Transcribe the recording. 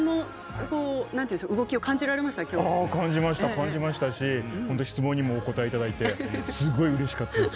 感じましたし質問にもお答えいただいてすごいうれしかったです。